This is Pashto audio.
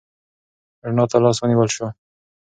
رڼا ته لاس ونیول شو.